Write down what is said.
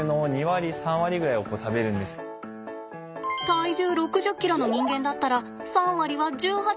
体重６０ｋｇの人間だったら３割は１８ｋｇよ。